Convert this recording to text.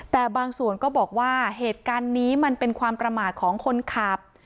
แต่บางส่วนก็บอกว่าเหตุการณ์นี้มันเป็นความประมาทของคนขับ